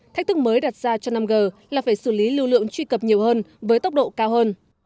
thách thức mới đặt ra cho năm g là phải xử lý lưu lượng truy cập nhiều hơn với tốc độ cao hơn